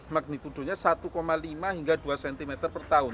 magnitudonya satu lima hingga dua cm per tahun